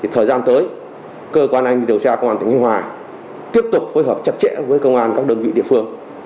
thời gian tới cơ quan anh điều tra công an tỉnh nhân hòa tiếp tục phối hợp chặt chẽ với công an các đơn vị địa phương